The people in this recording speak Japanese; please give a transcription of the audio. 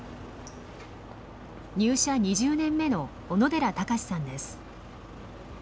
入社２０年目の小野寺毅さんです。